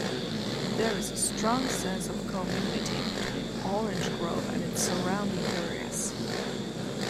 There is a strong sense of community between Orange Grove and its surrounding areas.